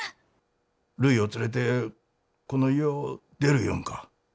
るいを連れてこの家を出る言んか。